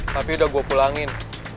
tapi udah gue pulangin